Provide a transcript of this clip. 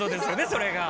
それが。